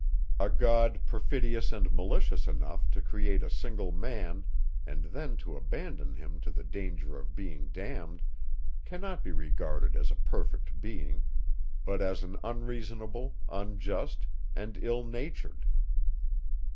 A God perfidious and malicious enough to create a single man, and then to abandon him to the danger of being damned, cannot be regarded as a perfect being; but as an unreasonable, unjust, and ill natured.